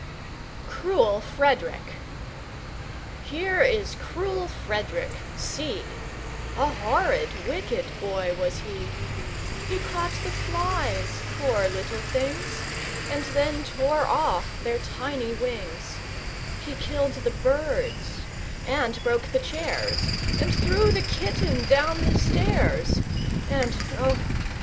Cruel Frederick Here is cruel Frederick, see! A horrid wicked boy was he; He caught the flies, poor little things, And then tore off their tiny wings, He killed the birds, and broke the chairs, And threw the kitten down the stairs; And oh!